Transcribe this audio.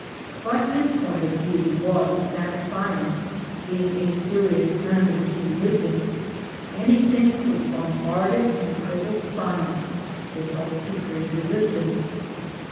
But his point of view was that Science being a serious enemy to Religion anything which bombarded and crippled Science would help to free Religion.